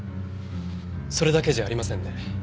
それだけじゃありませんね。